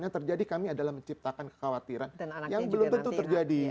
yang terjadi kami adalah menciptakan kekhawatiran yang belum tentu terjadi